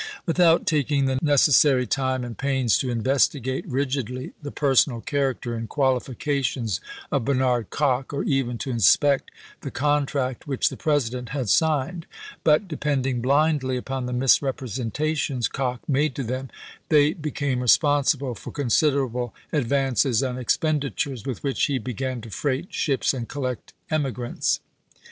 Without taking the necessary time and pains to investigate rigidly the personal character and qual ifications of Bernard Kock, or even to inspect the contract which the President had signed, but de pending blindly upon the misrepresentations Kock made to them, they became responsible for consid erable advances and expenditui'es, with which he began to freight ships and collect emigrants.